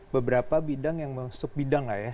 beberapa bidang yang sub bidang ya